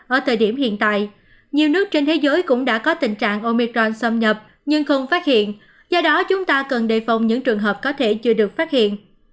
ở thời điểm hiện tại nhiều nước trên thế giới cũng đã có tình trạng omicron xâm nhập nhưng không phát hiện do đó chúng ta cần đề phòng những trường hợp có thể chưa được phát hiện